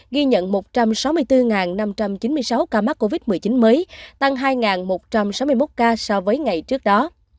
ghi nhận một trăm sáu mươi bốn năm trăm chín mươi sáu ca mắc covid một mươi chín mới tăng hai một trăm sáu mươi một ca so với ngày trước đó